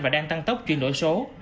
và đang tăng tốc chuyển đổi số